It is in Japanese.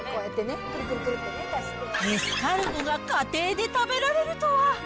エスカルゴが家庭で食べられるとは。